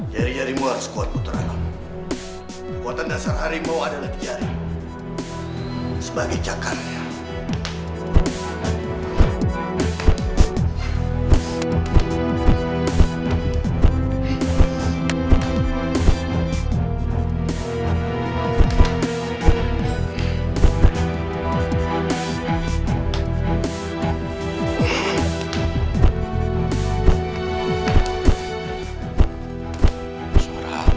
jari jarimu harus kuat putra alam